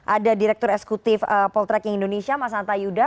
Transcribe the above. ada direktur eksekutif poltreking indonesia mas hanta yuda